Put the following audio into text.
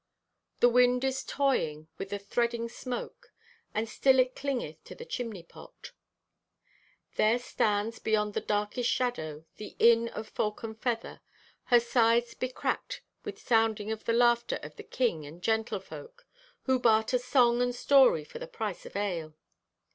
The wind is toying with the threading smoke, and still it clingeth to the chimney pot. There stands, beyond the darkest shadow, the Inn of Falcon Feather, her sides becracked with sounding of the laughter of the king and gentlefolk, who barter song and story for the price of ale.